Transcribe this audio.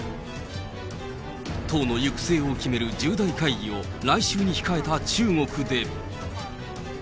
党の行く末を決める重大会議を来週に控えた中国で。